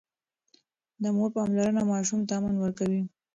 د مور پاملرنه ماشوم ته امن ورکوي.